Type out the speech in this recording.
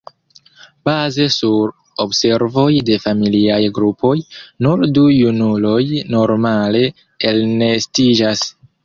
Baze sur observoj de familiaj grupoj, nur du junuloj normale elnestiĝas.